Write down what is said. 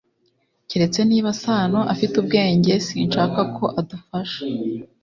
Keretse niba Sano afite ubwenge sinshaka ko adufasha